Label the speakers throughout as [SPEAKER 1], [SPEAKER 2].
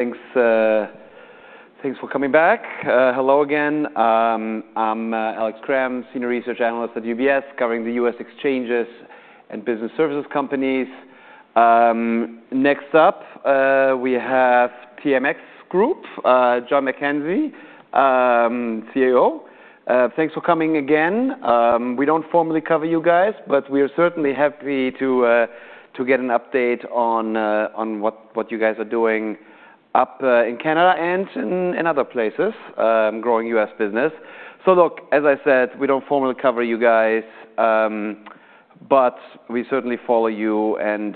[SPEAKER 1] Thanks, thanks for coming back. Hello again. I'm Alex Kramm, Senior Research Analyst at UBS, covering the U.S. Exchanges and Business Services Companies. Next up, we have TMX Group, John McKenzie, CEO. Thanks for coming again. We don't formally cover you guys, but we are certainly happy to get an update on what you guys are doing up in Canada and in other places, growing U.S. business. Look, as I said, we don't formally cover you guys, but we certainly follow you and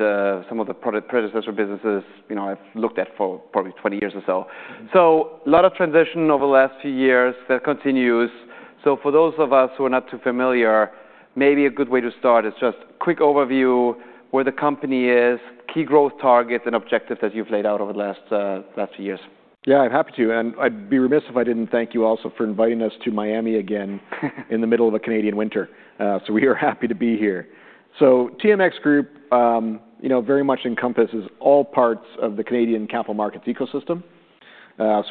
[SPEAKER 1] some of the product predecessor businesses, you know, I've looked at for probably 20 years or so. A lot of transition over the last few years. That continues. For those of us who are not too familiar, maybe a good way to start is just quick overview where the company is, key growth targets, and objectives that you've laid out over the last, last few years.
[SPEAKER 2] Yeah, I'm happy to. I'd be remiss if I didn't thank you also for inviting us to Miami again in the middle of a Canadian winter. We are happy to be here. TMX Group, you know, very much encompasses all parts of the Canadian capital markets ecosystem.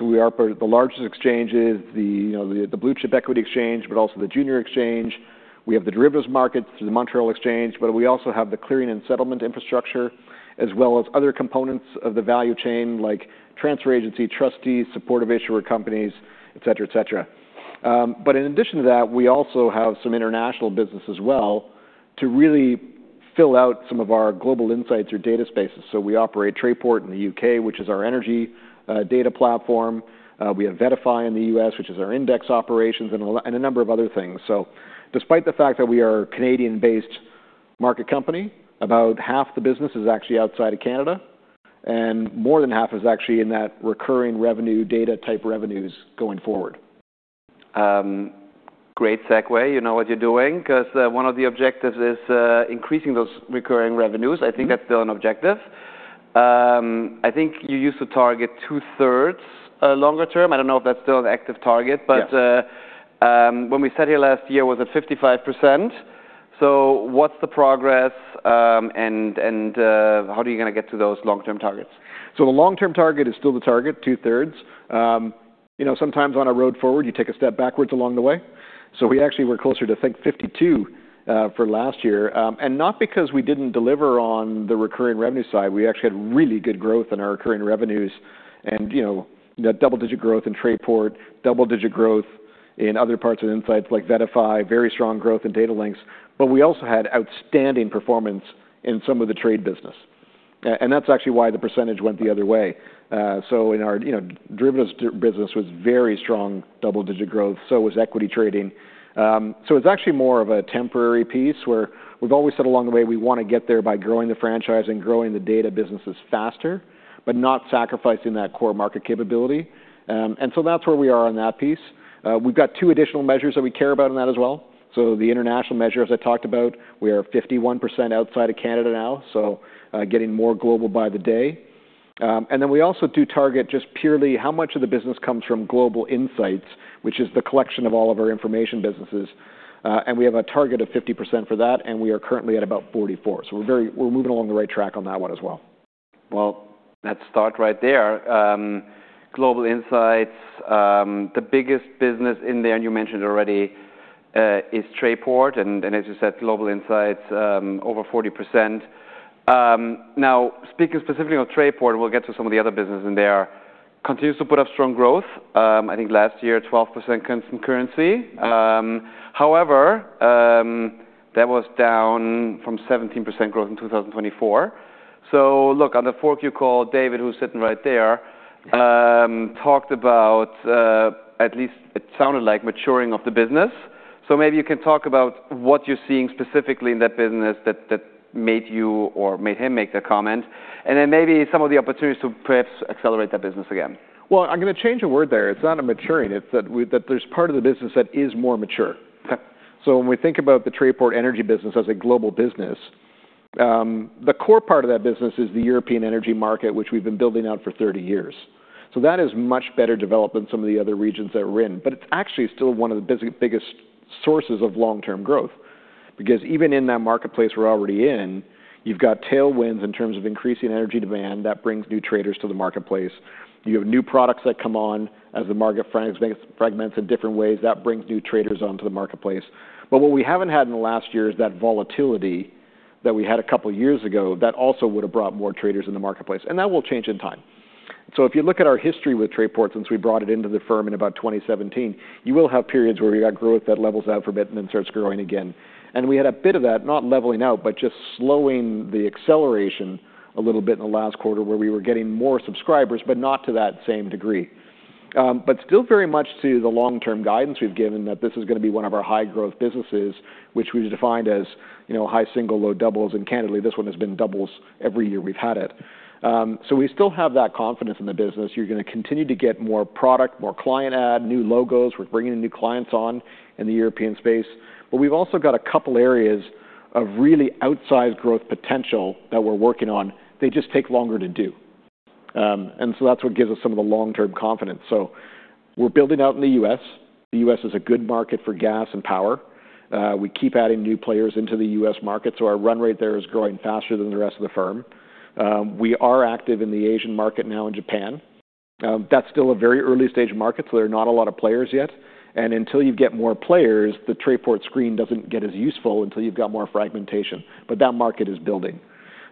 [SPEAKER 2] We are part of the largest exchanges, the, you know, the, the blue chip equity exchange, but also the junior exchange. We have the derivatives markets through the Montreal Exchange, but we also have the clearing and settlement infrastructure as well as other components of the value chain like transfer agency, trustees, supportive issuer companies, etc. In addition to that, we also have some international business as well to really fill out some of our global insights or data spaces. We operate Trayport in the U.K., which is our energy, data platform. We have VettaFi in the U.S., which is our index operations, and Alpha and a number of other things. Despite the fact that we are a Canadian-based market company, about half the business is actually outside of Canada, and more than half is actually in that recurring revenue data type revenues going forward.
[SPEAKER 1] Great segue. You know what you're doing 'cause one of the objectives is increasing those recurring revenues. I think that's still an objective. I think you used to target 2/3 longer term. I don't know if that's still an active target, but when we sat here last year, was it 55%? What's the progress, and how do you gonna get to those long-term targets?
[SPEAKER 2] The long-term target is still the target, 2/3. You know, sometimes on a road forward, you take a step backwards along the way. We actually were closer to, I think, 52%, for last year. Not because we didn't deliver on the recurring revenue side. We actually had really good growth in our recurring revenues and, you know, that double-digit growth in Trayport, double-digit growth in other parts of insights like VettaFi, very strong growth in Datalinx. We also had outstanding performance in some of the trade business. That's actually why the percentage went the other way. In our, you know, derivatives business was very strong double-digit growth, so was equity trading. It's actually more of a temporary piece where we've always said along the way, we wanna get there by growing the franchise and growing the data businesses faster, but not sacrificing that core market capability. That's where we are on that piece. We've got two additional measures that we care about in that as well. The international measure, as I talked about, we are 51% outside of Canada now, so getting more global by the day. Then we also do target just purely how much of the business comes from Global Insights, which is the collection of all of our information businesses. We have a target of 50% for that, and we are currently at about 44%. We're very, we're moving along the right track on that one as well.
[SPEAKER 1] Well, let's start right there. Global Insights, the biggest business in there, and you mentioned it already, is Trayport. As you said, Global Insights, over 40%. Now speaking specifically of Trayport, and we'll get to some of the other businesses in there, continues to put up strong growth. I think last year, 12% constant currency. However, that was down from 17% growth in 2024. Look, on the call, you know, David, who's sitting right there, talked about, at least it sounded like maturing of the business. Maybe you can talk about what you're seeing specifically in that business that, that made you or made him make that comment? Then maybe some of the opportunities to perhaps accelerate that business again?
[SPEAKER 2] Well, I'm gonna change a word there. It's not a maturing. It's that there's part of the business that is more mature.
[SPEAKER 1] Okay.
[SPEAKER 2] When we think about the Trayport Energy business as a Global business, the core part of that business is the European energy market, which we've been building out for 30 years. That is much better developed than some of the other regions that we're in. It's actually still one of the biggest sources of long-term growth because even in that marketplace we're already in, you've got tailwinds in terms of increasing energy demand that brings new traders to the marketplace. You have new products that come on as the market fragments in different ways. That brings new traders onto the marketplace. What we haven't had in the last year is that volatility that we had a couple of years ago that also would've brought more traders in the marketplace. That will change in time. If you look at our history with Trayport since we brought it into the firm in about 2017, you will have periods where we got growth that levels out for a bit and then starts growing again. We had a bit of that, not leveling out, but just slowing the acceleration a little bit in the last quarter where we were getting more subscribers, but not to that same degree. Still very much to the long-term guidance we've given that this is gonna be one of our high-growth businesses, which we've defined as, you know, high single, low doubles. Candidly, this one has been doubles every year we've had it. We still have that confidence in the business. You're gonna continue to get more product, more client ad, new logos. We're bringing in new clients on in the European space. We've also got a couple of areas of really outsized growth potential that we're working on. They just take longer to do. That's what gives us some of the long-term confidence. We're building out in the U.S. The U.S. is a good market for gas and power. We keep adding new players into the U.S. market. Our run rate there is growing faster than the rest of the firm. We are active in the Asian market now in Japan. That's still a very early-stage market, so there are not a lot of players yet. Until you get more players, the Trayport screen doesn't get as useful until you've got more fragmentation. But that market is building.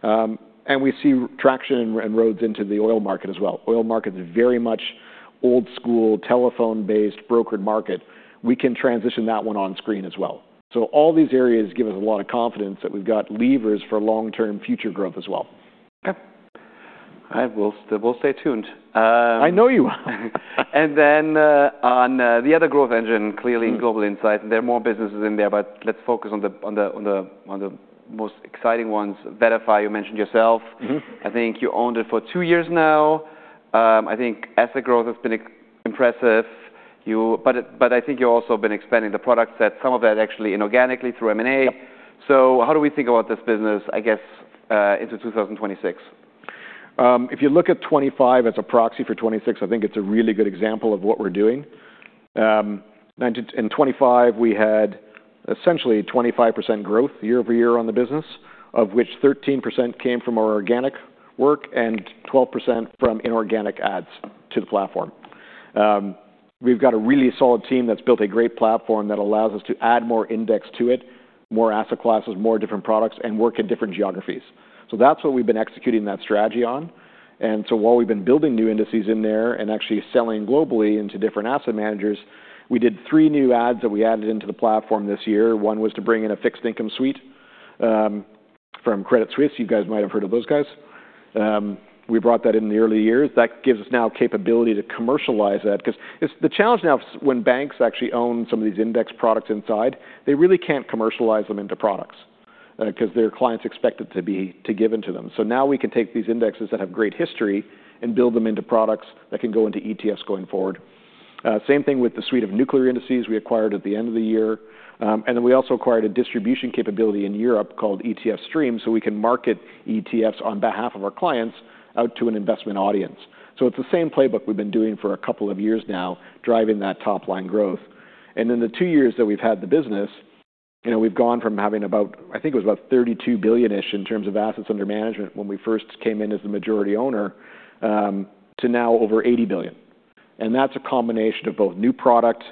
[SPEAKER 2] And we see traction and roads into the oil market as well. Oil market's very much old-school telephone-based brokered market. We can transition that one on-screen as well. All these areas give us a lot of confidence that we've got levers for long-term future growth as well.
[SPEAKER 1] Okay. All right. We'll stay tuned.
[SPEAKER 2] I know you.
[SPEAKER 1] Then, on the other growth engine, clearly Global Insights, and there are more businesses in there, but let's focus on the most exciting ones. VettaFi, you mentioned yourself.
[SPEAKER 2] Mm-hmm.
[SPEAKER 1] I think you owned it for two years now. I think asset growth has been impressive. You bought it, but I think you've also been expanding the product set, some of that actually inorganically through M&A.
[SPEAKER 2] Yep.
[SPEAKER 1] How do we think about this business, I guess, into 2026?
[SPEAKER 2] If you look at 2025 as a proxy for 2026, I think it's a really good example of what we're doing. 92% in 2025, we had essentially 25% growth year-over-year on the business, of which 13% came from our organic work and 12% from inorganic adds to the platform. We've got a really solid team that's built a great platform that allows us to add more indices to it, more asset classes, more different products, and work in different geographies. That's what we've been executing that strategy on. While we've been building new indices in there and actually selling globally into different asset managers, we did three new adds that we added into the platform this year. One was to bring in a fixed-income suite from Credit Suisse. You guys might have heard of those guys. We brought that in in the early years. That gives us now capability to commercialize that because it's the challenge now is when banks actually own some of these index products inside, they really can't commercialize them into products, because their clients expect it to be to give into them. Now we can take these indexes that have great history and build them into products that can go into ETFs going forward. Same thing with the suite of fixed-income indices we acquired at the end of the year. Then we also acquired a distribution capability in Europe called ETF Stream so we can market ETFs on behalf of our clients out to an investment audience. It's the same playbook we've been doing for a couple of years now, driving that top-line growth. In the two years that we've had the business, you know, we've gone from having about I think it was about 32 billion-ish in terms of assets under management when we first came in as the majority owner, to now over 80 billion. That's a combination of both new product,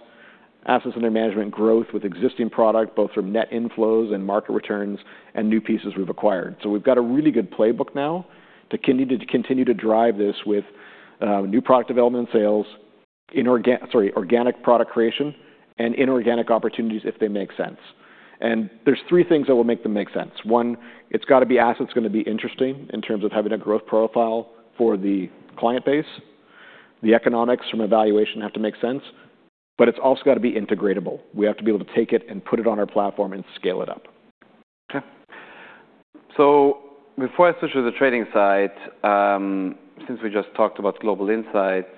[SPEAKER 2] assets under management growth with existing product, both from net inflows and market returns, and new pieces we've acquired. We've got a really good playbook now to continue to continue to drive this with, new product development and sales, organic product creation, and inorganic opportunities if they make sense. There's three things that will make them make sense. One, it's got to be assets gonna be interesting in terms of having a growth profile for the client base. The economics from valuation have to make sense. It's also got to be integratable. We have to be able to take it and put it on our platform and scale it up.
[SPEAKER 1] Okay. Before I switch to the trading side, since we just talked about Global Insights,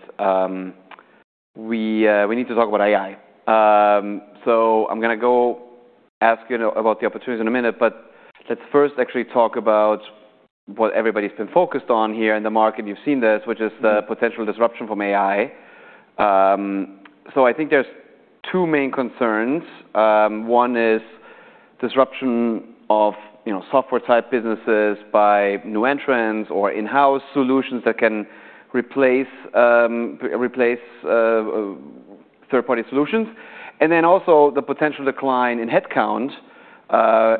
[SPEAKER 1] we need to talk about AI. I'm gonna go ask you, you know, about the opportunities in a minute, but let's first actually talk about what everybody's been focused on here in the market. You've seen this, which is the potential disruption from AI. I think there's two main concerns. One is disruption of, you know, software-type businesses by new entrants or in-house solutions that can replace third-party solutions. Then also the potential decline in headcount,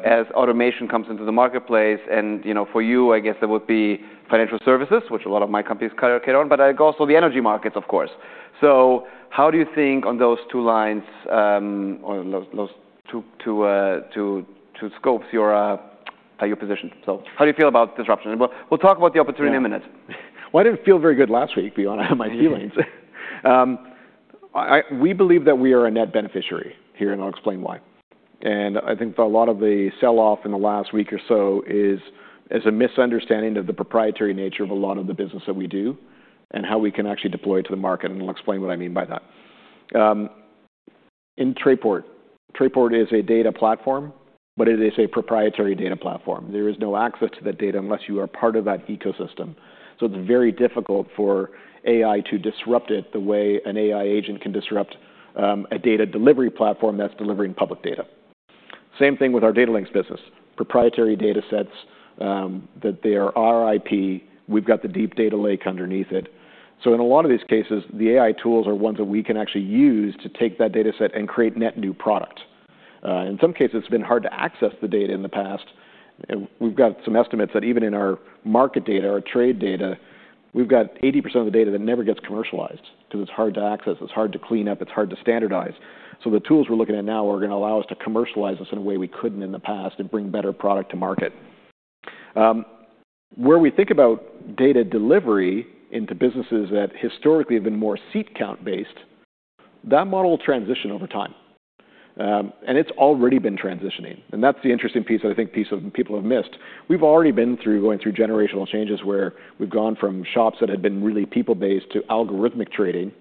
[SPEAKER 1] as automation comes into the marketplace. You know, for you, I guess there would be financial services, which a lot of my companies cater on, but I also the energy markets, of course. How do you think on those two lines, or those two scopes, your position? How do you feel about disruption? We'll talk about the opportunity in a minute.
[SPEAKER 2] Why did it feel very good last week, beyond my feelings? I, we believe that we are a net beneficiary here, and I'll explain why. I think a lot of the sell-off in the last week or so is, is a misunderstanding of the proprietary nature of a lot of the business that we do and how we can actually deploy it to the market. I'll explain what I mean by that. In Trayport, Trayport is a data platform, but it is a proprietary data platform. There is no access to that data unless you are part of that ecosystem. It's very difficult for AI to disrupt it the way an AI agent can disrupt a data delivery platform that's delivering public data. Same thing with our Datalinx business, proprietary data sets, that they are IP. We've got the deep data lake underneath it. In a lot of these cases, the AI tools are ones that we can actually use to take that data set and create net new product. In some cases, it's been hard to access the data in the past. We've got some estimates that even in our market data, our trade data, we've got 80% of the data that never gets commercialized 'cause it's hard to access. It's hard to clean up. It's hard to standardize. The tools we're looking at now are gonna allow us to commercialize this in a way we couldn't in the past and bring better product to market. Where we think about data delivery into businesses that historically have been more seat-count-based, that model will transition over time. It's already been transitioning. That's the interesting piece that I think people have missed. We've already been through going through generational changes where we've gone from shops that had been really people-based to algorithmic trading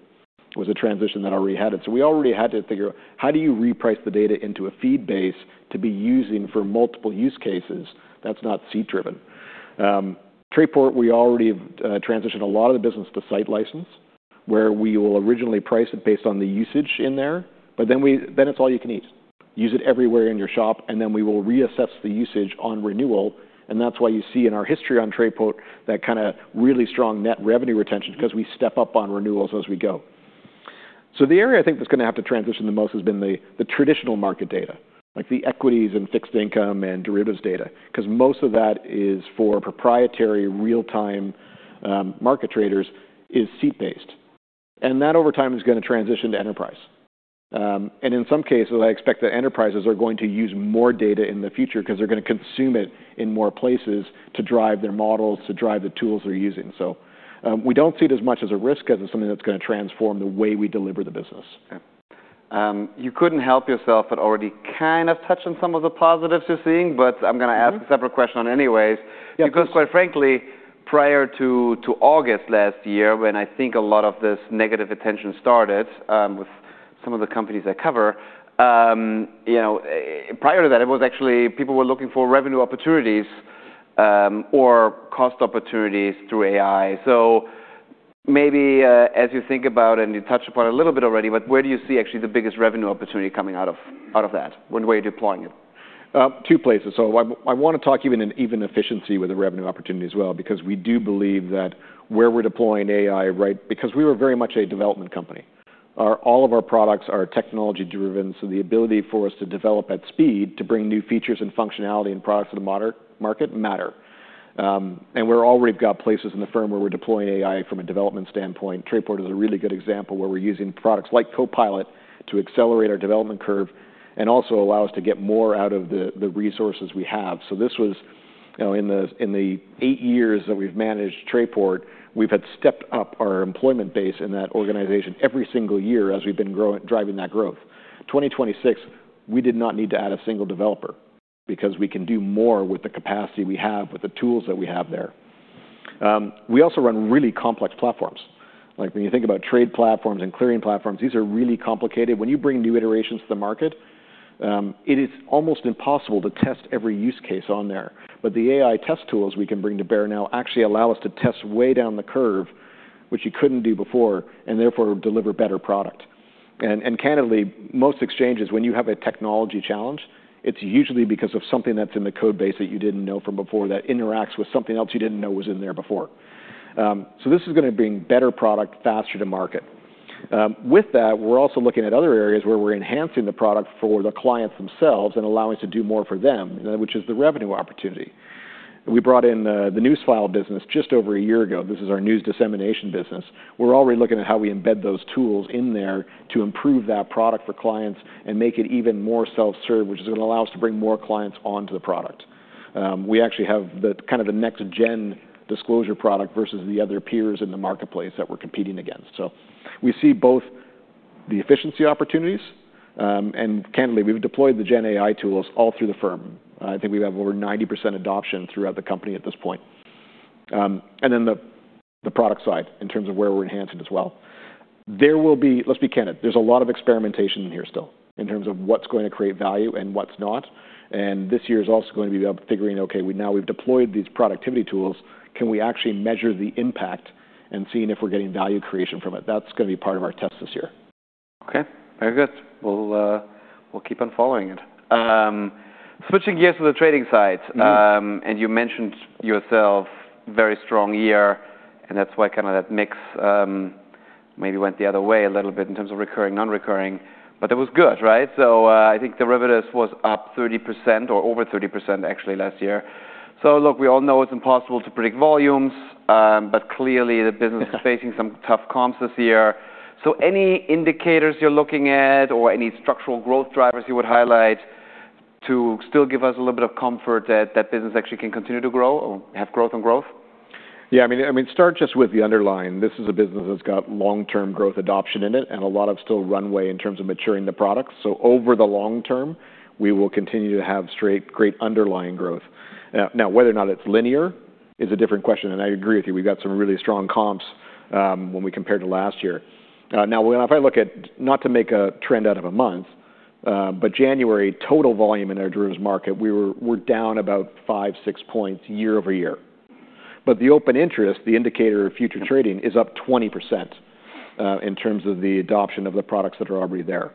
[SPEAKER 2] was a transition that already had it. We already had to figure out, how do you reprice the data into a feed base to be using for multiple use cases that's not seat-driven? Trayport, we already have, transitioned a lot of the business to site license where we will originally price it based on the usage in there. Then we then it's all you can eat. Use it everywhere in your shop, and then we will reassess the usage on renewal. That's why you see in our history on Trayport that kinda really strong net revenue retention 'cause we step up on renewals as we go. The area I think that's gonna have to transition the most has been the traditional market data, like the equities and fixed-income and derivatives data because most of that is for proprietary real-time market traders, is seat-based. That over time is gonna transition to enterprise. In some cases, I expect that enterprises are going to use more data in the future because they're gonna consume it in more places to drive their models, to drive the tools they're using. We don't see it as much as a risk as it's something that's gonna transform the way we deliver the business.
[SPEAKER 1] Okay. You couldn't help yourself but already kind of touch on some of the positives you're seeing, but I'm gonna ask a separate question on anyways.
[SPEAKER 2] Yep.
[SPEAKER 1] Because quite frankly, prior to August last year, when I think a lot of this negative attention started, with some of the companies I cover, you know, prior to that, it was actually people were looking for revenue opportunities, or cost opportunities through AI. Maybe, as you think about it, and you touched upon it a little bit already, but where do you see actually the biggest revenue opportunity coming out of that, where you're deploying it?
[SPEAKER 2] Two places. I wanna talk even in even efficiency with the revenue opportunity as well because we do believe that where we're deploying AI right because we were very much a development company. Our all of our products are technology-driven, so the ability for us to develop at speed, to bring new features and functionality and products to the modern market matter. We already got places in the firm where we're deploying AI from a development standpoint. Trayport is a really good example where we're using products like Copilot to accelerate our development curve and also allow us to get more out of the resources we have. This was, you know, in the 8 years that we've managed Trayport, we've had stepped up our employment base in that organization every single year as we've been growing driving that growth. 2026, we did not need to add a single developer because we can do more with the capacity we have, with the tools that we have there. We also run really complex platforms. Like when you think about trade platforms and clearing platforms, these are really complicated. When you bring new iterations to the market, it is almost impossible to test every use case on there. The AI test tools we can bring to bear now actually allow us to test way down the curve, which you couldn't do before, and therefore deliver better product. Candidly, most exchanges, when you have a technology challenge, it's usually because of something that's in the codebase that you didn't know from before that interacts with something else you didn't know was in there before. This is gonna bring better product faster to market. With that, we're also looking at other areas where we're enhancing the product for the clients themselves and allowing us to do more for them, you know, which is the revenue opportunity. We brought in the Newsfile business just over a year ago. This is our news dissemination business. We're already looking at how we embed those tools in there to improve that product for clients and make it even more self-serve, which is gonna allow us to bring more clients onto the product. We actually have the kind of the next-gen disclosure product versus the other peers in the marketplace that we're competing against. We see both the efficiency opportunities, and candidly, we've deployed the Gen AI tools all through the firm. I think we have over 90% adoption throughout the company at this point. Then the product side in terms of where we're enhancing as well. There will be. Let's be candid. There's a lot of experimentation in here still in terms of what's going to create value and what's not. This year is also gonna be about figuring, okay, we've deployed these productivity tools. Can we actually measure the impact and seeing if we're getting value creation from it? That's gonna be part of our test this year.
[SPEAKER 1] Okay. Very good. We'll, we'll keep on following it. Switching gears to the trading side.
[SPEAKER 2] Mm-hmm.
[SPEAKER 1] You mentioned yourself very strong year, and that's why kind of that mix, maybe went the other way a little bit in terms of recurring, non-recurring. It was good, right? I think derivatives was up 30% or over 30% actually last year. Look, we all know it's impossible to predict volumes, but clearly, the business is facing some tough comps this year. Any indicators you're looking at or any structural growth drivers you would highlight to still give us a little bit of comfort that, that business actually can continue to grow or have growth on growth?
[SPEAKER 2] Yeah. I mean, start just with the underlying. This is a business that's got long-term growth adoption in it and a lot of still runway in terms of maturing the products. Over the long term, we will continue to have straight great underlying growth. Now, whether or not it's linear is a different question. I agree with you. We've got some really strong comps, when we compare to last year. Now, when I look at not to make a trend out of a month, but January, total volume in our derivatives market, we were down about 5 points-6 points year-over-year. The open interest, the indicator of future trading, is up 20%, in terms of the adoption of the products that are already there.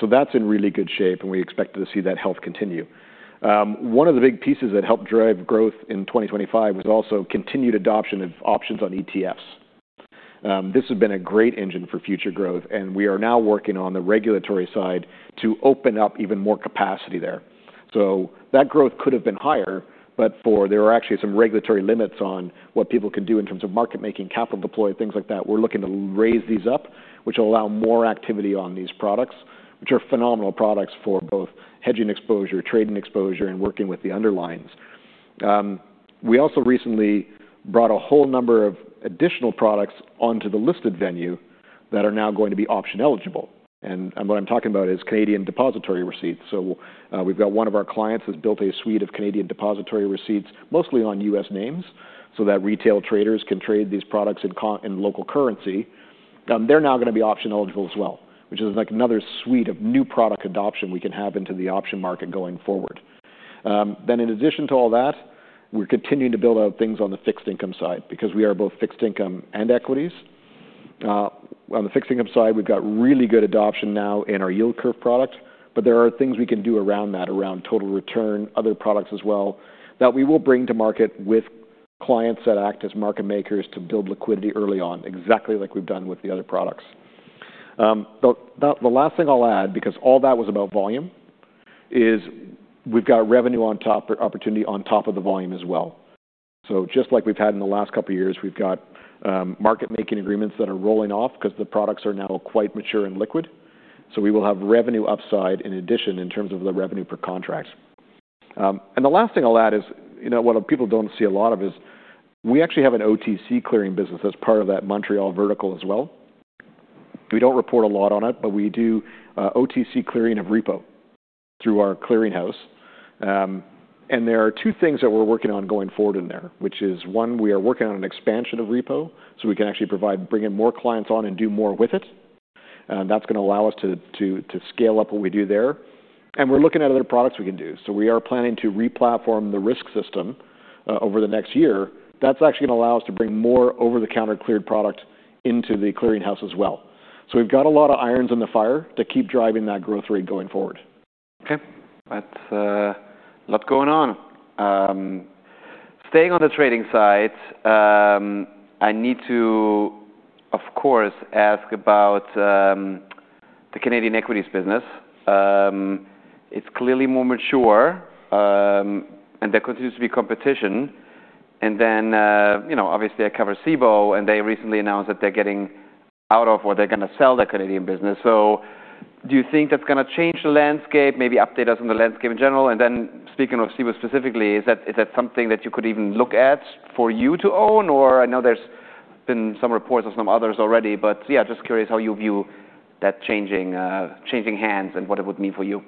[SPEAKER 2] So that's in really good shape, and we expect to see that health continue. One of the big pieces that helped drive growth in 2025 was also continued adoption of options on ETFs. This has been a great engine for future growth, and we are now working on the regulatory side to open up even more capacity there. That growth could have been higher, but for there are actually some regulatory limits on what people can do in terms of market-making, capital deploy, things like that. We're looking to raise these up, which will allow more activity on these products, which are phenomenal products for both hedging exposure, trading exposure, and working with the underlines. We also recently brought a whole number of additional products onto the listed venue that are now going to be option eligible. What I'm talking about is Canadian Depositary Receipts. We've got one of our clients that's built a suite of Canadian Depositary Receipts mostly on U.S. names so that retail traders can trade these products in local currency. They're now gonna be option eligible as well, which is like another suite of new product adoption we can have into the option market going forward. Then in addition to all that, we're continuing to build out things on the fixed-income side because we are both fixed-income and equities. On the fixed-income side, we've got really good adoption now in our yield curve product. There are things we can do around that, around total return, other products as well, that we will bring to market with clients that act as market-makers to build liquidity early on, exactly like we've done with the other products. The last thing I'll add, because all that was about volume, is we've got revenue on top opportunity on top of the volume as well. Just like we've had in the last couple of years, we've got market-making agreements that are rolling off 'cause the products are now quite mature and liquid. We will have revenue upside in addition in terms of the revenue per contract. The last thing I'll add is, you know, what people don't see a lot of is we actually have an OTC clearing business that's part of that Montreal vertical as well. We don't report a lot on it, but we do OTC clearing of repo through our clearinghouse. There are two things that we're working on going forward in there, which is, one, we are working on an expansion of repo so we can actually provide, bring in more clients on and do more with it. That's gonna allow us to scale up what we do there. We're looking at other products we can do. We are planning to replatform the risk system over the next year. That's actually gonna allow us to bring more over-the-counter cleared product into the clearinghouse as well. We've got a lot of irons in the fire to keep driving that growth rate going forward.
[SPEAKER 1] Okay. That's a lot going on. Staying on the trading side, I need to, of course, ask about the Canadian equities business. It's clearly more mature, and there continues to be competition. Then, you know, obviously, I cover Cboe, and they recently announced that they're getting out of or they're gonna sell their Canadian business. Do you think that's gonna change the landscape, maybe update us on the landscape in general? Then speaking of Cboe specifically, is that something that you could even look at for you to own? Or I know there's been some reports of some others already, but yeah, just curious how you view that changing hands and what it would mean for you?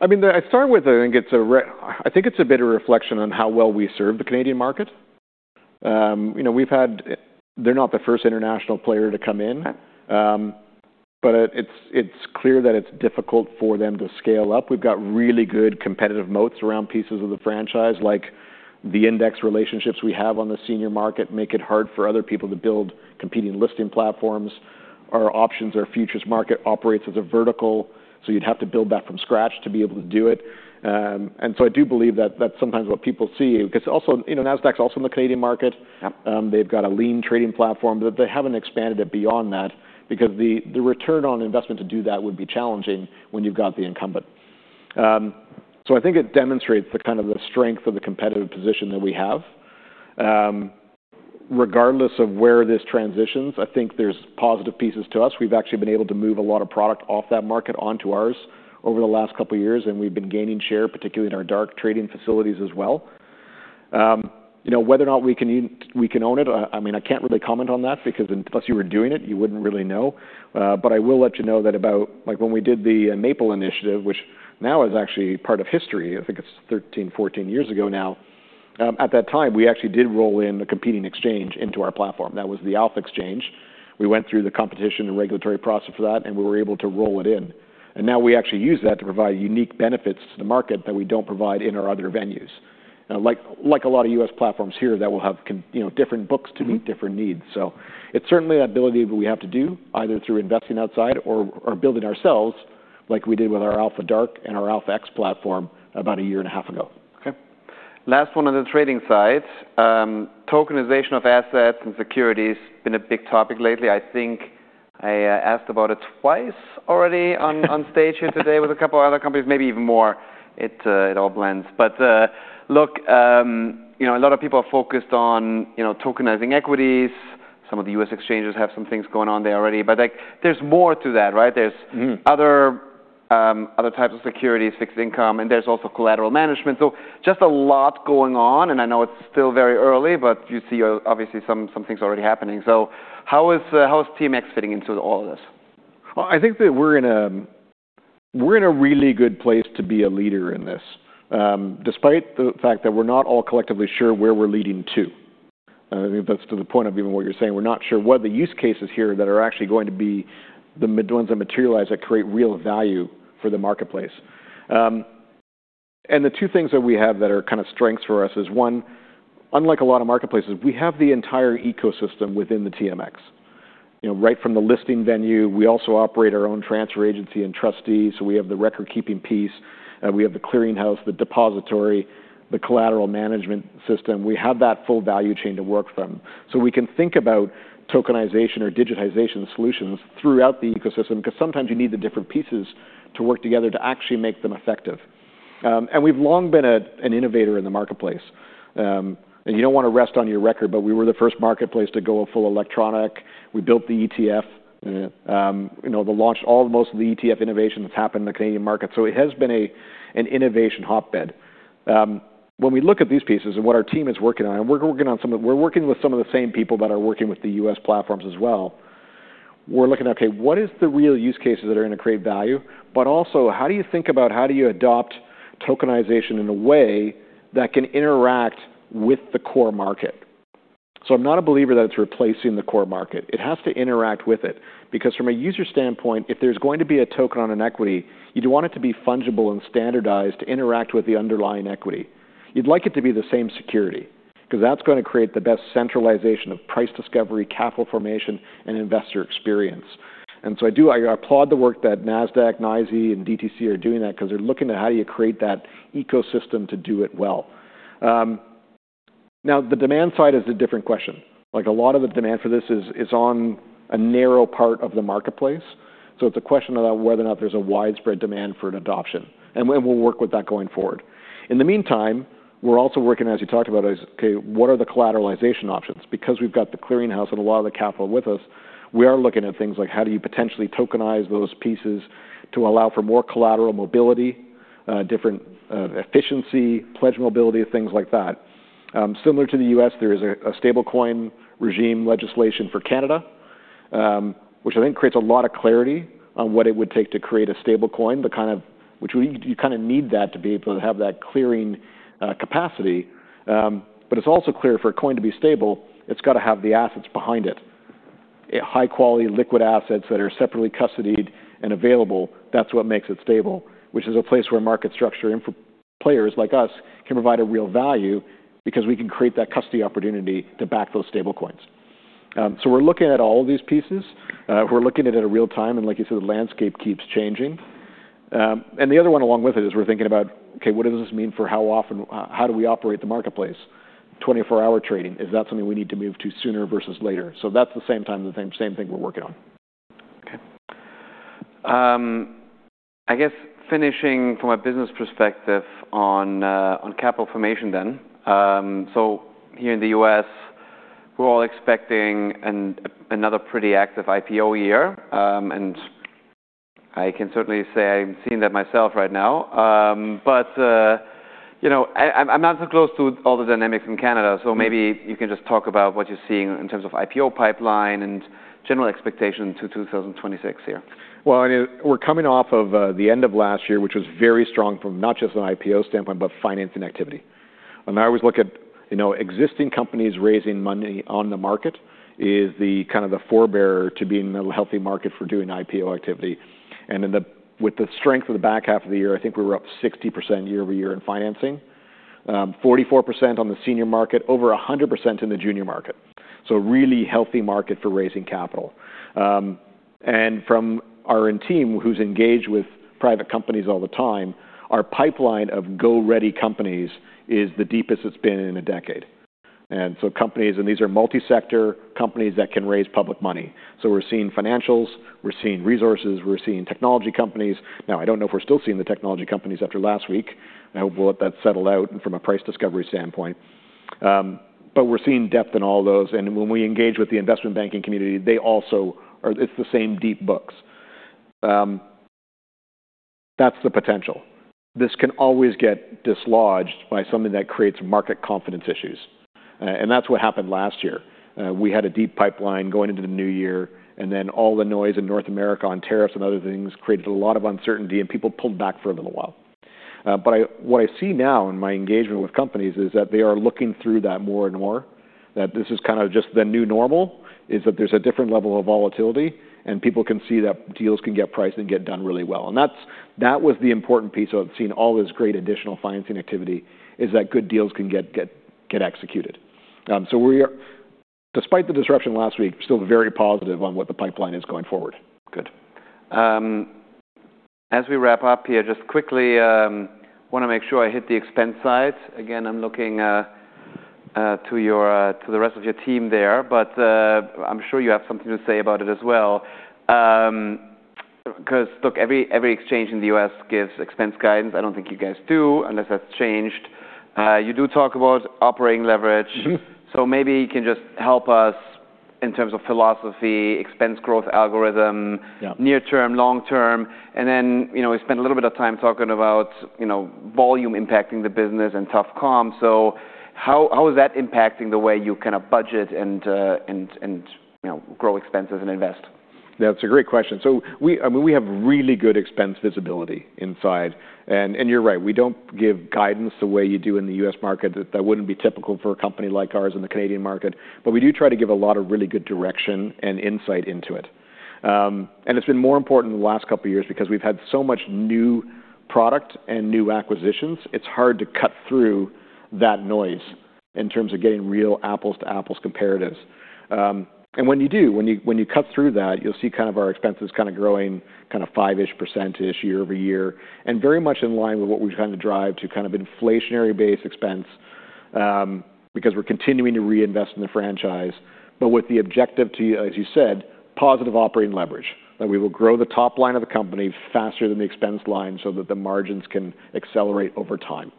[SPEAKER 2] I mean, I think it's a bit of a reflection on how well we serve the Canadian market. You know, we've had. They're not the first international player to come in.
[SPEAKER 1] Okay.
[SPEAKER 2] It's clear that it's difficult for them to scale up. We've got really good competitive moats around pieces of the franchise. Like the index relationships we have on the senior market make it hard for other people to build competing listing platforms. Our options, our futures market operates as a vertical, so you'd have to build that from scratch to be able to do it. I do believe that that's sometimes what people see because also, you know, Nasdaq's also in the Canadian market.
[SPEAKER 1] Yep.
[SPEAKER 2] They've got a lean trading platform, but they haven't expanded it beyond that because the, the return on investment to do that would be challenging when you've got the incumbent. I think it demonstrates the kind of the strength of the competitive position that we have. Regardless of where this transitions, I think there's positive pieces to us. We've actually been able to move a lot of product off that market onto ours over the last couple of years, and we've been gaining share, particularly in our dark trading facilities as well. You know, whether or not we can own it, I mean, I can't really comment on that because unless you were doing it, you wouldn't really know. I will let you know that about like when we did the Maple Initiative, which now is actually part of history, I think it's 13 years-14 years ago now, at that time, we actually did roll in a competing exchange into our platform. That was the Alpha Exchange. We went through the competition and regulatory process for that, and we were able to roll it in. Now we actually use that to provide unique benefits to the market that we don't provide in our other venues, like a lot of U.S. platforms here that will have, you know, different books to meet different needs. It's certainly an ability that we have to do either through investing outside or building ourselves like we did with our Alpha DRK and our Alpha-X platform about a year and a half ago.
[SPEAKER 1] Okay. Last one on the trading side. Tokenization of assets and securities has been a big topic lately. I think I asked about it twice already on stage here today with a couple of other companies, maybe even more. It all blends. Look, you know, a lot of people are focused on, you know, tokenizing equities. Some of the U.S. exchanges have some things going on there already. Like, there's more to that, right?
[SPEAKER 2] Mm-hmm.
[SPEAKER 1] Other types of securities, fixed-income, and there's also collateral management. Just a lot going on. I know it's still very early, but you see, obviously, some things already happening. How is TMX fitting into all of this?
[SPEAKER 2] Well, I think that we're in a really good place to be a leader in this, despite the fact that we're not all collectively sure where we're leading to. I think that's to the point of even what you're saying. We're not sure what the use cases here that are actually going to be the ones that materialize that create real value for the marketplace. The two things that we have that are kind of strengths for us is, one, unlike a lot of marketplaces, we have the entire ecosystem within the TMX. You know, right from the listing venue, we also operate our own transfer agency and trustee. We have the record-keeping piece. We have the clearinghouse, the depository, the collateral management system. We have that full value chain to work from. We can think about tokenization or digitization solutions throughout the ecosystem because sometimes you need the different pieces to work together to actually make them effective. We've long been an innovator in the marketplace. You don't wanna rest on your record, but we were the first marketplace to go full electronic. We built the ETF.
[SPEAKER 1] Mm-hmm.
[SPEAKER 2] You know, the launch all the most of the ETF innovation that's happened in the Canadian market. It has been an innovation hotbed. When we look at these pieces and what our team is working on, and we're working with some of the same people that are working with the U.S. platforms as well, we're looking at, okay, what is the real use cases that are gonna create value? Also, how do you think about how do you adopt tokenization in a way that can interact with the core market? I'm not a believer that it's replacing the core market. It has to interact with it because from a user standpoint, if there's going to be a token on an equity, you'd want it to be fungible and standardized to interact with the underlying equity. You'd like it to be the same security 'cause that's gonna create the best centralization of price discovery, capital formation, and investor experience. I do I applaud the work that Nasdaq, NYSE, and DTC are doing that 'cause they're looking at how do you create that ecosystem to do it well. Now, the demand side is a different question. Like, a lot of the demand for this is, is on a narrow part of the marketplace. It's a question about whether or not there's a widespread demand for an adoption. We and we'll work with that going forward. In the meantime, we're also working, as you talked about, is, okay, what are the collateralization options? Because we've got the clearinghouse and a lot of the capital with us, we are looking at things like how do you potentially tokenize those pieces to allow for more collateral mobility, different efficiency, pledge mobility, things like that. Similar to the U.S., there is a stablecoin regime legislation for Canada, which I think creates a lot of clarity on what it would take to create a stablecoin, the kind of which we you kind of need that to be able to have that clearing capacity. It's also clear for a coin to be stable, it's got to have the assets behind it. High-quality liquid assets that are separately custodied and available, that's what makes it stable, which is a place where market structure info players like us can provide a real value because we can create that custody opportunity to back those stablecoins. We're looking at all of these pieces. We're looking at it in real time. Like you said, the landscape keeps changing. The other one along with it is we're thinking about, okay, what does this mean for how often how do we operate the marketplace? 24-hour trading, is that something we need to move to sooner versus later? That's the same time the thing same thing we're working on.
[SPEAKER 1] Okay. I guess, finishing from a business perspective on capital formation then. Here in the U.S., we're all expecting another pretty active IPO year. I can certainly say I'm seeing that myself right now. You know, I'm not so close to all the dynamics in Canada, so maybe you can just talk about what you're seeing in terms of IPO pipeline and general expectation to 2026 here?
[SPEAKER 2] Well, I mean, we're coming off of the end of last year, which was very strong from not just an IPO standpoint but financing activity. I mean, I always look at, you know, existing companies raising money on the market is the kind of the forerunner to being a healthy market for doing IPO activity. With the strength of the back half of the year, I think we were up 60% year-over-year in financing, 44% on the senior market, over 100% in the junior market. A really healthy market for raising capital. From our own team who's engaged with private companies all the time, our pipeline of go-ready companies is the deepest it's been in a decade. Companies and these are multisector companies that can raise public money. We're seeing financials. We're seeing resources. We're seeing technology companies. Now, I don't know if we're still seeing the technology companies after last week. I hope we'll let that settle out from a price discovery standpoint. We're seeing depth in all those. When we engage with the investment banking community, they also are. It's the same deep books. That's the potential. This can always get dislodged by something that creates market confidence issues. That's what happened last year. We had a deep pipeline going into the new year, and then all the noise in North America on tariffs and other things created a lot of uncertainty, and people pulled back for a little while. What I see now in my engagement with companies is that they are looking through that more and more, that this is kind of just the new normal, is that there's a different level of volatility, and people can see that deals can get priced and get done really well. That's, that was the important piece of seeing all this great additional financing activity, is that good deals can get executed. We are, despite the disruption last week, still very positive on what the pipeline is going forward.
[SPEAKER 1] Good. As we wrap up here, just quickly, wanna make sure I hit the expense side. Again, I'm looking, to your, to the rest of your team there. I'm sure you have something to say about it as well, because look, every exchange in the U.S. gives expense guidance. I don't think you guys do unless that's changed. You do talk about operating leverage.
[SPEAKER 2] Mm-hmm.
[SPEAKER 1] Maybe you can just help us in terms of philosophy, expense growth algorithm?
[SPEAKER 2] Yeah.
[SPEAKER 1] Near term, long term. Then, you know, we spent a little bit of time talking about, you know, volume impacting the business and tough comp. How is that impacting the way you kind of budget and, and, you know, grow expenses and invest?
[SPEAKER 2] Yeah, that's a great question. I mean, we have really good expense visibility inside. You're right. We don't give guidance the way you do in the U.S. market. That wouldn't be typical for a company like ours in the Canadian market. We do try to give a lot of really good direction and insight into it. It's been more important in the last couple of years because we've had so much new product and new acquisitions. It's hard to cut through that noise in terms of getting real apples-to-apples comparatives. When you do, when you cut through that, you'll see kind of our expenses kind of growing kind of 5%-ish year-over-year and very much in line with what we're trying to drive to kind of inflationary-based expense, because we're continuing to reinvest in the franchise. With the objective to, as you said, positive operating leverage, that we will grow the top line of the company faster than the expense line so that the margins can accelerate over time.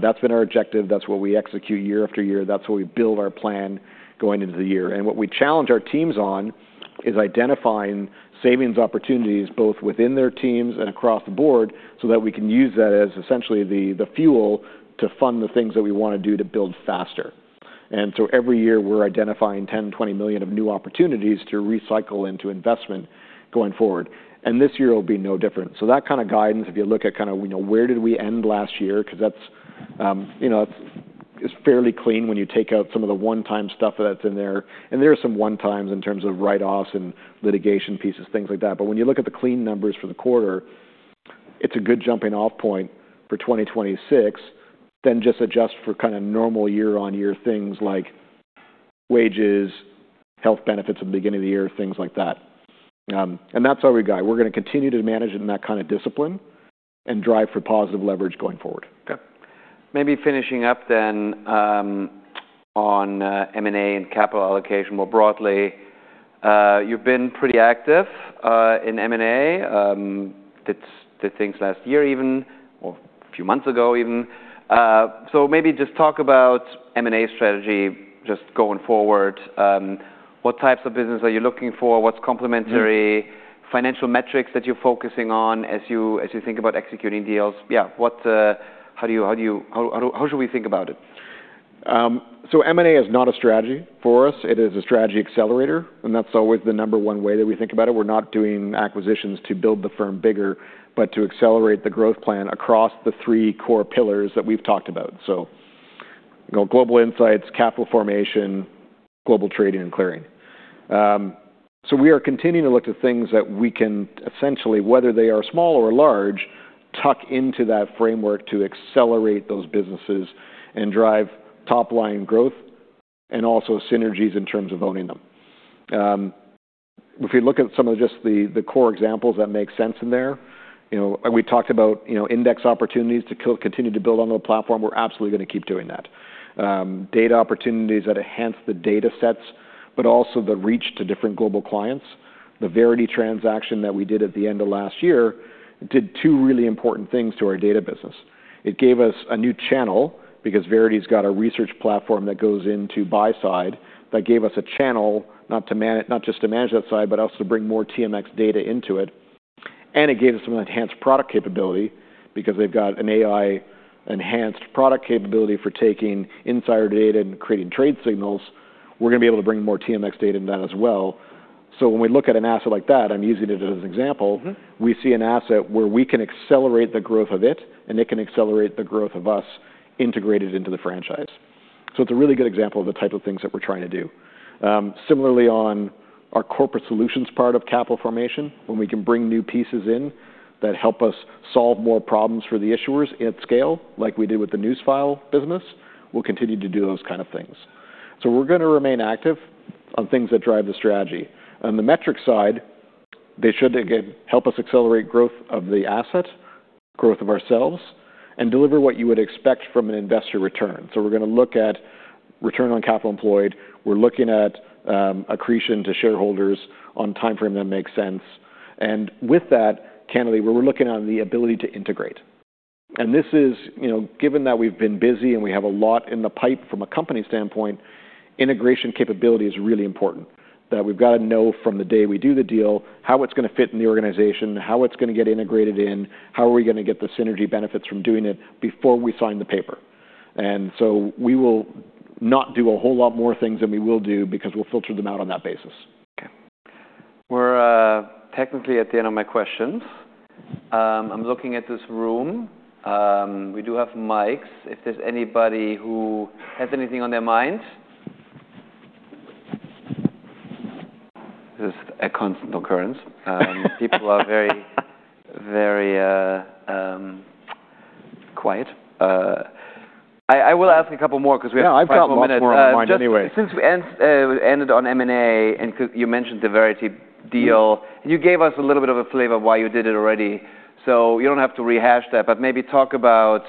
[SPEAKER 2] That's been our objective. That's what we execute year-after-year. That's what we build our plan going into the year. What we challenge our teams on is identifying savings opportunities both within their teams and across the board so that we can use that as essentially the fuel to fund the things that we wanna do to build faster. Every year, we're identifying 10 million-20 million of new opportunities to recycle into investment going forward. This year, it'll be no different. That kind of guidance, if you look at kind of, you know, where did we end last year 'cause that's, you know, that's it's fairly clean when you take out some of the one-time stuff that's in there. There are some one-times in terms of write-offs and litigation pieces, things like that. When you look at the clean numbers for the quarter, it's a good jumping-off point for 2026. Then just adjust for kind of normal year-on-year things like wages, health benefits at the beginning of the year, things like that, and that's how we go. We're gonna continue to manage it in that kind of discipline and drive for positive leverage going forward.
[SPEAKER 1] Okay. Maybe finishing up then on M&A and capital allocation more broadly, you've been pretty active in M&A, the things last year even or a few months ago even. Maybe just talk about M&A strategy just going forward. What types of business are you looking for? What's complementary financial metrics that you're focusing on as you think about executing deals? Yeah. What, how do you how should we think about it?
[SPEAKER 2] M&A is not a strategy for us. It is a strategy accelerator. That's always the number one way that we think about it. We're not doing acquisitions to build the firm bigger but to accelerate the growth plan across the three core pillars that we've talked about. Global Insights, capital formation, global trading, and clearing. We are continuing to look to things that we can essentially, whether they are small or large, tuck into that framework to accelerate those businesses and drive top-line growth and also synergies in terms of owning them. If we look at some of just the core examples that make sense in there, you know, we talked about, you know, index opportunities to continue to build on the platform. We're absolutely gonna keep doing that. Data opportunities that enhance the datasets but also the reach to different global clients. The Verity transaction that we did at the end of last year did two really important things to our data business. It gave us a new channel because Verity's got a research platform that goes into buy-side that gave us a channel not just to manage that side but also to bring more TMX data into it. It gave us some enhanced product capability because they've got an AI-enhanced product capability for taking insider data and creating trade signals. We're gonna be able to bring more TMX data into that as well. When we look at an asset like that, I'm using it as an example.
[SPEAKER 1] Mm-hmm.
[SPEAKER 2] We see an asset where we can accelerate the growth of it, and it can accelerate the growth of us integrated into the franchise. It's a really good example of the type of things that we're trying to do. Similarly, on our corporate solutions part of capital formation, when we can bring new pieces in that help us solve more problems for the issuers at scale like we did with the Newsfile business, we'll continue to do those kind of things. We're gonna remain active on things that drive the strategy. On the metric side, they should, again, help us accelerate growth of the asset, growth of ourselves, and deliver what you would expect from an investor return. We're gonna look at return on capital employed. We're looking at accretion to shareholders on timeframe that makes sense. With that, candidly, we're looking on the ability to integrate. This is, you know, given that we've been busy and we have a lot in the pipe from a company standpoint, integration capability is really important, that we've got to know from the day we do the deal how it's gonna fit in the organization, how it's gonna get integrated in, how are we gonna get the synergy benefits from doing it before we sign the paper. We will not do a whole lot more things than we will do because we'll filter them out on that basis.
[SPEAKER 1] Okay. We're technically at the end of my questions. I'm looking at this room. We do have mics. If there's anybody who has anything on their mind. This is a constant occurrence. People are very, very quiet. I, I will ask a couple more 'cause we have quite a few minutes. Yeah, I've got one more on mine anyway. Since we ended on M&A and 'cause you mentioned the Verity deal, and you gave us a little bit of a flavor of why you did it already. You don't have to rehash that. Maybe talk about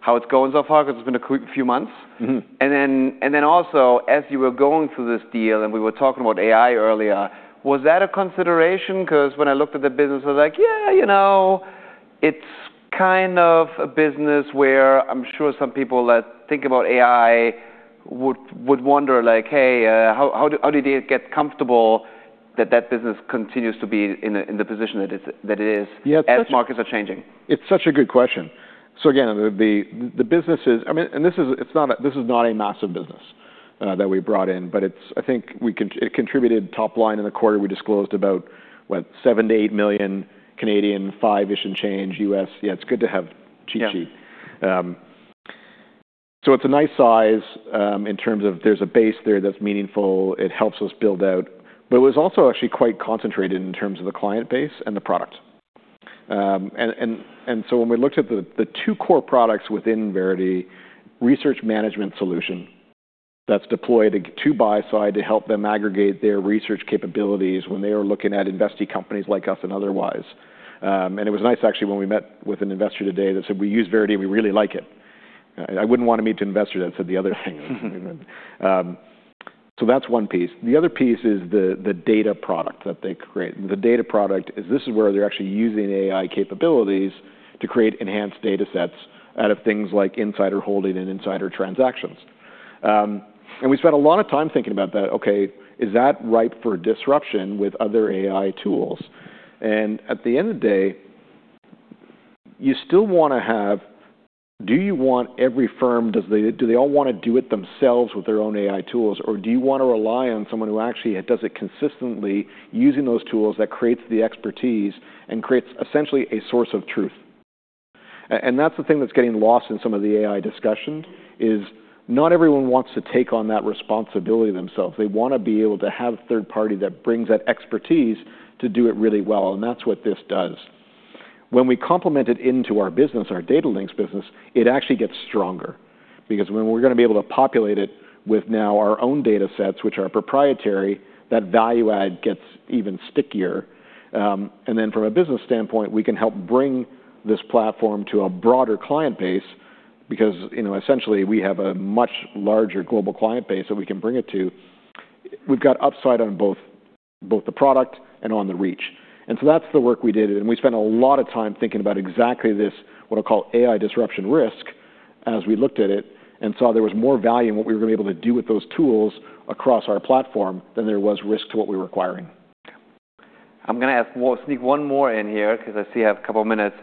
[SPEAKER 1] how it's going so far 'cause it's been a quick few months?
[SPEAKER 2] Mm-hmm.
[SPEAKER 1] Then also, as you were going through this deal and we were talking about AI earlier, was that a consideration? 'Cause when I looked at the business, I was like, "Yeah, you know, it's kind of a business where I'm sure some people that think about AI would wonder like, 'Hey, how did they get comfortable that that business continues to be in the position that it is as markets are changing?'
[SPEAKER 2] Yeah, it's such a good question. Again, the businesses I mean, and this is it's not a massive business that we brought in. It's I think it contributed top-line in the quarter. We disclosed about, what, 7 million-8 million, $5-ish million and change USD. Yeah, it's good to have cheat sheet. It's a nice size, in terms of there's a base there that's meaningful. It helps us build out. It was also actually quite concentrated in terms of the client base and the product. When we looked at the two core products within Verity, research management solution that's deployed to buy-side to help them aggregate their research capabilities when they are looking at investing companies like us and otherwise. It was nice, actually, when we met with an investor today that said, "We use Verity, and we really like it." I wouldn't wanna meet an investor that said the other thing. So that's one piece. The other piece is the data product that they create. The data product is, this is where they're actually using AI capabilities to create enhanced datasets out of things like insider holding and insider transactions. We spent a lot of time thinking about that. Okay, is that ripe for disruption with other AI tools? At the end of the day, you still wanna have do you want every firm does they do they all wanna do it themselves with their own AI tools? Or do you wanna rely on someone who actually does it consistently using those tools that creates the expertise and creates essentially a source of truth? That's the thing that's getting lost in some of the AI discussions is not everyone wants to take on that responsibility themselves. They wanna be able to have a third party that brings that expertise to do it really well. And that's what this does. When we complement it into our business, our Datalinx business, it actually gets stronger because when we're gonna be able to populate it with now our own datasets, which are proprietary, that value add gets even stickier. Then from a business standpoint, we can help bring this platform to a broader client base because, you know, essentially, we have a much larger global client base that we can bring it to. We've got upside on both, both the product and on the reach. That's the work we did. We spent a lot of time thinking about exactly this, what I'll call AI disruption risk, as we looked at it and saw there was more value in what we were gonna be able to do with those tools across our platform than there was risk to what we were acquiring.
[SPEAKER 1] Okay. I'm gonna sneak one more in here 'cause I see I have a couple of minutes.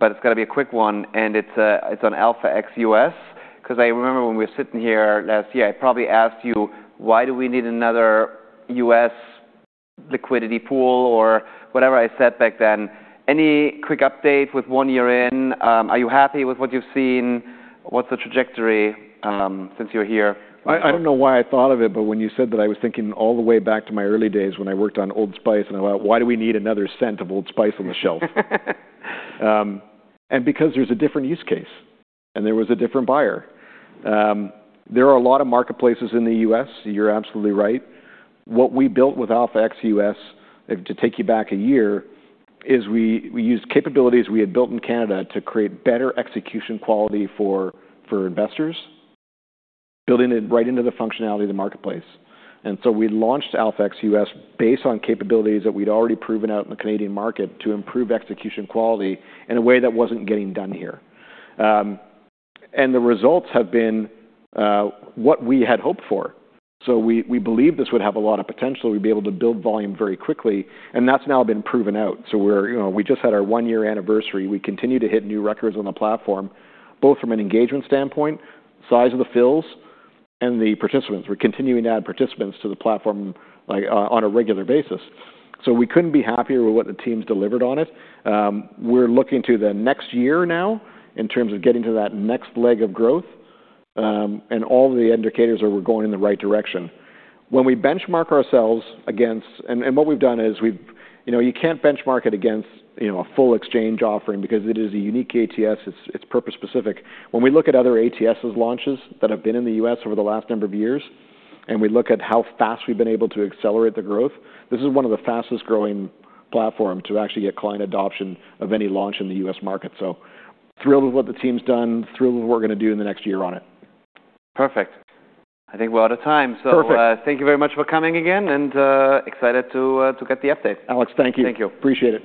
[SPEAKER 1] It's got to be a quick one. It's on AlphaX US. 'Cause I remember when we were sitting here last year, I probably asked you, "Why do we need another U.S. liquidity pool?" or whatever I said back then. Any quick update with one year in? Are you happy with what you've seen? What's the trajectory, since you're here?
[SPEAKER 2] I don't know why I thought of it. When you said that, I was thinking all the way back to my early days when I worked on Old Spice and I was like, "Why do we need another scent of Old Spice on the shelf?" and because there's a different use case, and there was a different buyer. There are a lot of marketplaces in the U.S. You're absolutely right. What we built with AlphaX US, if to take you back a year, is we, we used capabilities we had built in Canada to create better execution quality for, for investors, building it right into the functionality of the marketplace. And so we launched AlphaX US based on capabilities that we'd already proven out in the Canadian market to improve execution quality in a way that wasn't getting done here. The results have been what we had hoped for. So we believed this would have a lot of potential. We'd be able to build volume very quickly. And that's now been proven out. So we're, you know, we just had our one-year anniversary. We continue to hit new records on the platform both from an engagement standpoint, size of the fills, and the participants. We're continuing to add participants to the platform like, on a regular basis. So we couldn't be happier with what the team's delivered on it. We're looking to the next year now in terms of getting to that next leg of growth. And all of the indicators are we're going in the right direction. When we benchmark ourselves against what we've done, you know, you can't benchmark it against, you know, a full exchange offering because it is a unique ATS. It's purpose-specific. When we look at other ATSs' launches that have been in the U.S. over the last number of years, and we look at how fast we've been able to accelerate the growth, this is one of the fastest-growing platforms to actually get client adoption of any launch in the U.S. market. Thrilled with what the team's done. Thrilled with what we're gonna do in the next year on it.
[SPEAKER 1] Perfect. I think we're out of time.
[SPEAKER 2] Perfect.
[SPEAKER 1] Thank you very much for coming again. Excited to get the update.
[SPEAKER 2] Alex, thank you.
[SPEAKER 1] Thank you.
[SPEAKER 2] Appreciate it.